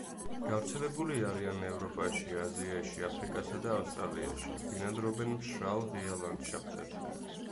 გავრცელებული არიან ევროპაში, აზიაში, აფრიკასა და ავსტრალიაში; ბინადრობენ მშრალ ღია ლანდშაფტებში.